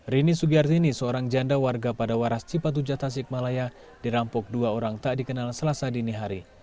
rini sugihartini seorang janda warga pada waras cipatu jatasi malaya dirampok dua orang tak dikenal selasa dini hari